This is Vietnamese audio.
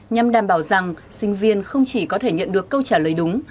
nhằm đảm bảo rằng sinh viên không chỉ có thể nhận được câu trả lời đúng